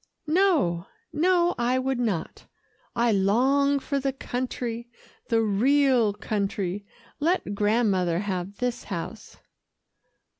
"No, no, I would not. I long for the country the real country let Grandmother have this house."